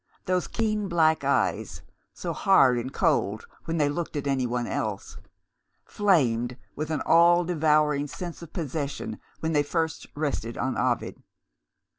Those keen black eyes, so hard and cold when they looked at anyone else flamed with an all devouring sense of possession when they first rested on Ovid.